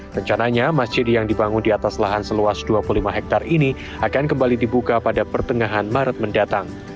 rencananya masjid yang dibangun di atas lahan seluas dua puluh lima hektare ini akan kembali dibuka pada pertengahan maret mendatang